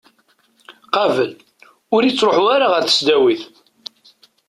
Qabel, ur ittruḥu ara ɣer tesdawit